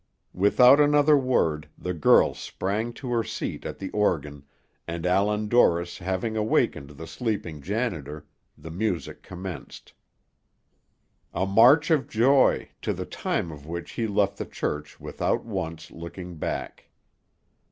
Without another word, the girl sprang to her seat at the organ, and Allan Dorris having awakened the sleeping janitor, the music commenced; a march of joy, to the time of which he left the church without once looking back.